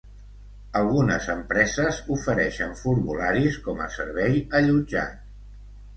Algunes empreses ofereixen formularis com a servei allotjat.